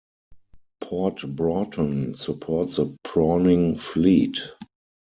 Port Broughton supports a prawning fleet.